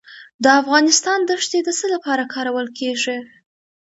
د افغانستان دښتې د څه لپاره کارول کیږي؟